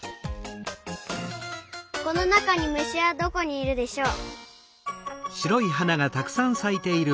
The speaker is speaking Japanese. このなかにむしはどこにいるでしょう？